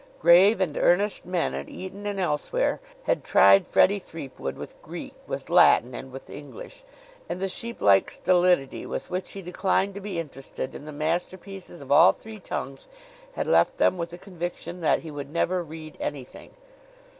Grave and earnest men, at Eton and elsewhere, had tried Freddie Threepwood with Greek, with Latin and with English; and the sheeplike stolidity with which he declined to be interested in the masterpieces of all three tongues had left them with the conviction that he would never read anything.